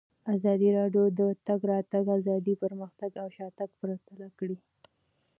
ازادي راډیو د د تګ راتګ ازادي پرمختګ او شاتګ پرتله کړی.